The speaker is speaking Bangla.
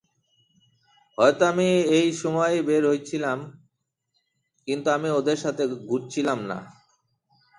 হয়তো আমি একই সময়েই বের হচ্ছিলাম, কিন্তু আমি ওদের সাথে ঘুরছিলাম না।